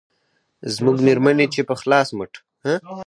زموږ مېرمنې چې په خلاص مټ